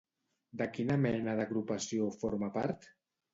De quina mena d'agrupació forma part?